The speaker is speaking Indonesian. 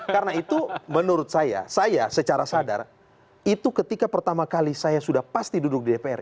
karena itu menurut saya saya secara sadar itu ketika pertama kali saya sudah pasti duduk di dpr